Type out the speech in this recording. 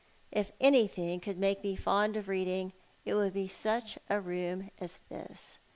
If anything could make me fond of reading, it would bj sucli a room as this.